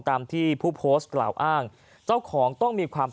ภูมิที่ที่ผู้พอสต์กล่าวอ้างเจ้าของอยู่ในสถาบันดรจะต้องมีความผิด